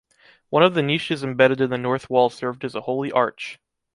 One of the niches embedded in the north wall served as a holy arch.